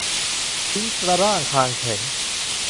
ลิ้นกระด้างคางแข็ง